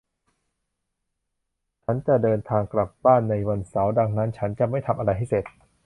ฉันจะเดินทางกลับบ้านในวันเสาร์ดังนั้นฉันจะไม่ทำอะไรให้เสร็จ